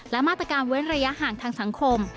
และมาตรการเว้นระยะห่างทางสังคม